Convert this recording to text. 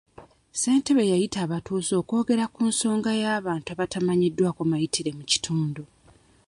Ssentebe yayita abatuuze okwogera ku nsonga y'abantu abatamanyiddwako mayitire mu kitundu.